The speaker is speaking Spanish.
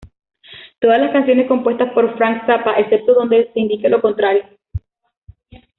Todas las canciones compuestas por Frank Zappa, excepto donde se indique lo contrario.